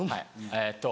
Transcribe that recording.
えっと